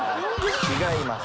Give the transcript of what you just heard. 違います。